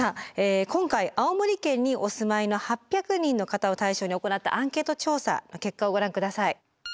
今回青森県にお住まいの８００人の方を対象に行ったアンケート調査の結果をご覧下さい。